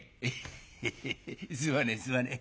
「ヘヘヘすまねえすまねえ。